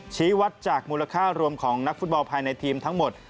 ชี้วัดจากมูลค่ารวมของนักฟุตบอลภายในทีมทั้งหมด